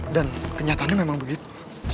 dan kenyataannya memang begitu